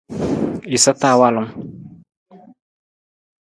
Jasa ta walung.